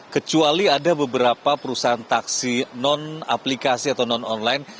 kecuali ada beberapa perusahaan taksi non aplikasi atau non online